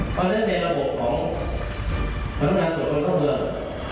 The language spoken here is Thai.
เพราะฉะนั้นในระบบของพัฒนาส่วนคนเข้าเมือง